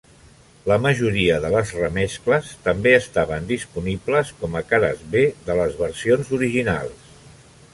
La majoria de les remescles també estaven disponibles com a cares B de les versions originals.